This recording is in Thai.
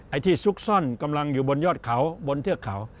ไอ้ที่ซุกซ่อนกำลังอยู่บนยอดเขาบนเทือกเขา